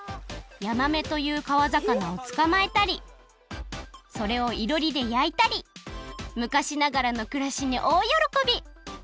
ヤマメというかわざかなをつかまえたりそれをいろりでやいたり昔ながらのくらしにおおよろこび！